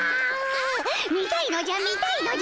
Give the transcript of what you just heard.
見たいのじゃ見たいのじゃ！